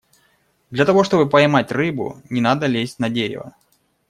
Для того чтобы поймать рыбу, не надо лезть на дерево.